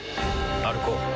歩こう。